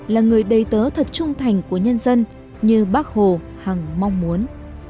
là người đầy tớ thật trung thành của nhân dân như bác hồ hẳng mong muốn